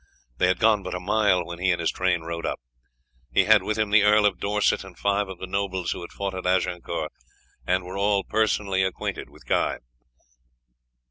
They had gone but a mile when he and his train rode up. He had with him the Earl of Dorset and five of the nobles who had fought at Agincourt and were all personally acquainted with Guy.